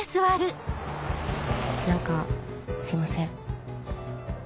何かすいません。